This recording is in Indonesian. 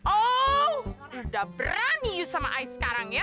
oh udah berani you sama i sekarang ya